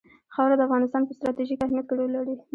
خاوره د افغانستان په ستراتیژیک اهمیت کې رول لري.